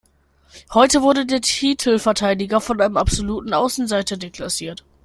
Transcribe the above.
Heute wurde der Titelverteidiger von einem absoluten Außenseiter deklassiert.